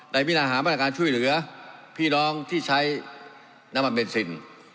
พินาหามาตรการช่วยเหลือพี่น้องที่ใช้น้ำมันเบนซิน